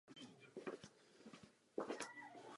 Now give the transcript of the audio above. Jednalo se o účastníky demonstrace proti Alžírské válce.